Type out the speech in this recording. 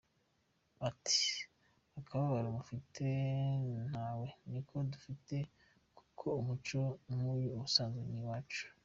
Ati"Akababaro mufite natwe niko dufite kuko umuco nk’uyu ubusanzwe si uwacu.